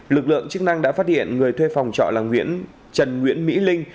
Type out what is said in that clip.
lực lượng chức năng đã phát hiện người thuê phòng trọ là trần nguyễn mỹ linh